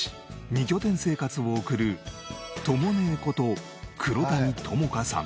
２拠点生活を送るとも姉こと黒谷友香さん。